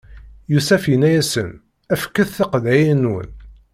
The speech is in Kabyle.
Yusef inna-yasen: Fket tiqeḍɛiyin-nwen!